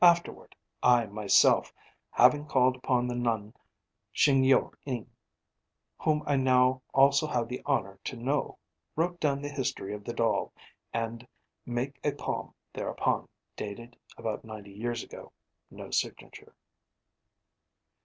'Afterward, I myself, having called upon the Nun Shingyo in, whom I now also have the honour to know, wrote down the history of the doll, and make a poem thereupon.' (Dated about ninety years ago: no signature.)